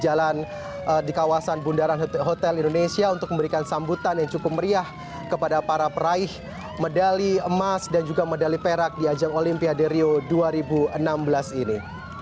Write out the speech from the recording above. dan bendera merah putih juga senantiasa dilambaikan oleh para warga yang senantiasa berdiri di jalan di kawasan bundaran hotel indonesia untuk memberikan sambutan yang cukup meriah kepada para praik medali emas dan juga medali perak di ajang olimpiade rio dua ribu enam belas ini